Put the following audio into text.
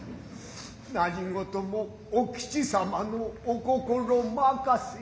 何事もお吉様のお心任せ。